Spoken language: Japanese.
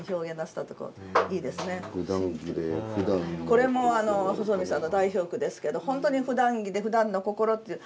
これも細見さんの代表句ですけど本当に「ふだん着でふだんの心」っていう。